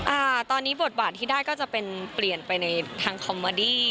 อ่าตอนนี้บทบาทที่ได้ก็จะเป็นเปลี่ยนไปในทางคอมเมอดี้